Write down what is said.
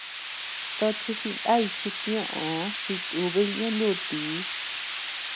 Tochi jinay chita ñóʼoo jitúbiy ñonútii.